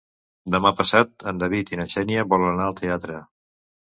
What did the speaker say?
Demà passat en David i na Xènia volen anar al teatre.